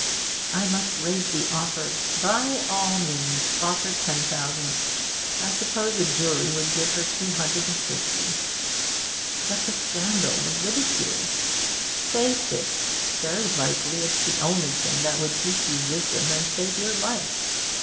'I must raise the offer ' 'By all means; offer ten thousand. I suppose a jury would give her two hundred and fifty.' 'But the scandal the ridicule ' 'Face it. Very likely it's the only thing that would teach you wisdom and save your life.'